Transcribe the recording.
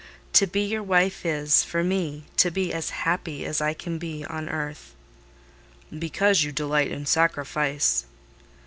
To be your wife is, for me, to be as happy as I can be on earth." "Because you delight in sacrifice."